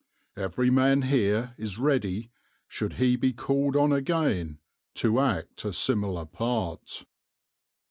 Every man here is ready, should he be called on again, to act a similar part."